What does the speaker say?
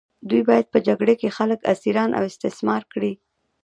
دوی باید په جګړه کې خلک اسیران او استثمار کړي.